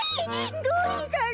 どうしたの？